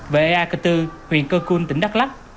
và ea cơ tư huyện cơ cunh tỉnh đắk lắc